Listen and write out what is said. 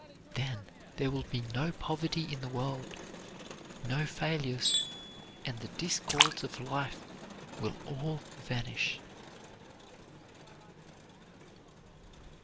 Then there will be no poverty in the world, no failures, and the discords of life will all vanish.